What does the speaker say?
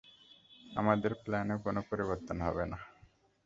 আমাদের প্ল্যানে কোনো পরিবর্তন হবে না।